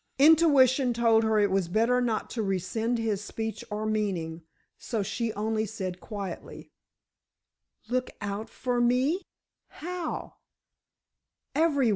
Intuition told her it was better not to resent his speech or meaning, so she only said, quietly: "Look out for me—how?"